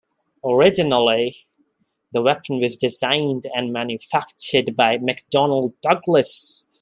Originally, the weapon was designed and manufactured by McDonnell Douglas.